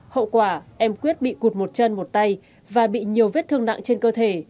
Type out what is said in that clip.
hậu quả em quyết bị cụt một chân một tay và bị nhiều vết thương nặng trên cơ thể